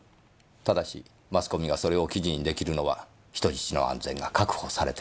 ただしマスコミがそれを記事に出来るのは人質の安全が確保されてから。